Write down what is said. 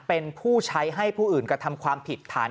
เป็นผู้ใช้ให้ผู้อื่นกระทำความผิดฐาน